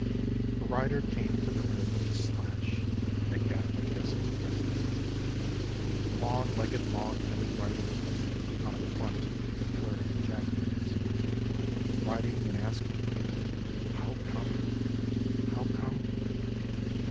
A rider came to the rim Of a slash and a gap of desert dirt — A long legged long headed rider On a blunt and a blurry jackass — Riding and asking, " How come? How come?